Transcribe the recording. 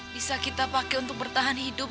bisa kita pakai untuk bertahan hidup